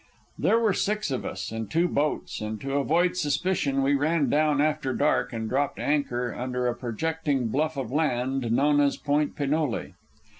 There were six of us, in two boats, and to avoid suspicion we ran down after dark and dropped anchor under a projecting bluff of land known as Point Pinole.